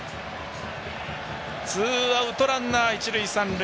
ツーアウトランナー、一塁三塁。